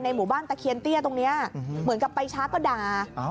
หมู่บ้านตะเคียนเตี้ยตรงนี้เหมือนกับไปช้าก็ด่า